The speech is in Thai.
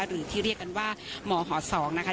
หรือที่เรียกกันว่าหมอห๒นะคะ